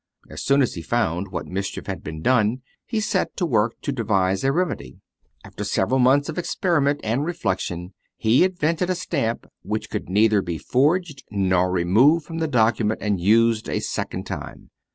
As soon as he found what mischief had been done, he set to work to devise a remedy. After several months' experiment and reflection he invented a stamp which could neither be forged nor removed from the document and used a second time.